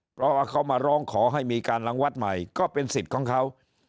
เพราะว่าเขามาร้องขอให้มีการลังวัดใหม่ก็เป็นสิทธิ์ของเขา